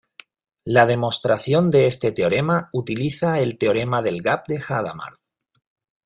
La demostración de este teorema utiliza el teorema del gap de Hadamard.